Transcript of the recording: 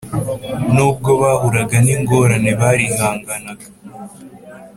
Nubwo bahuraga n’ ingorane barihanganaga